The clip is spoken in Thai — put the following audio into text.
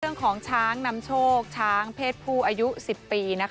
เมื่อเรื่องของช้างนามโชคช้างเพศผู้อายุ๑๐ปี